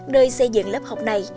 nơi xây dựng lớp học này